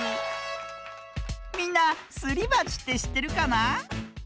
みんなすりばちってしってるかな？